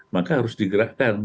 maka harus digerakkan